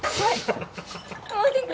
はい。